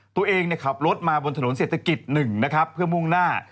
ตัวเองขับรถมาบนถนนเศรษฐกิจ๑นะครับเพื่อมุ่งหน้า